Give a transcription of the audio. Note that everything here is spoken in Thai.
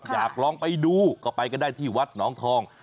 อยากลองไปดูก็ไปกันได้ที่วัดหนองทอง